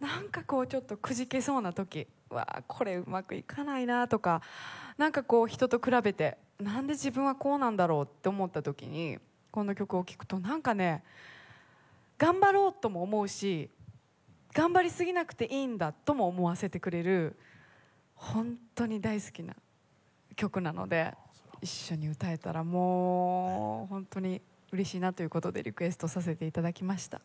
なんかこうちょっとくじけそうな時「わこれうまくいかないな」とか人と比べて「なんで自分はこうなんだろう」と思った時にこの曲を聴くとなんかね「頑張ろう」とも思うし「頑張りすぎなくていいんだ」とも思わせてくれるほんとに大好きな曲なので一緒に歌えたらもうほんとにうれしいなという事でリクエストさせて頂きました。